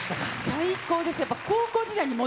最高です。